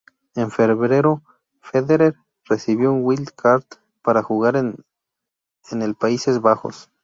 En febrero, Federer recibió un Wild Card para jugar el en Países Bajos.